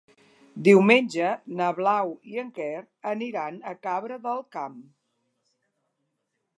Diumenge na Blau i en Quer aniran a Cabra del Camp.